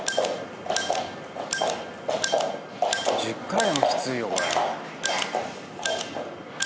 １０回でもきついよこれ。